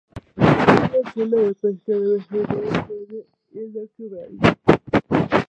Un anzuelo de pesca debe ser duro, fuerte y no quebradizo.